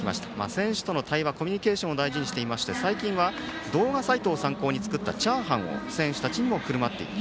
選手との対話コミュニケーションを大事にしていまして最近は動画サイトを参考に作ったチャーハンを選手たちにも振舞っている。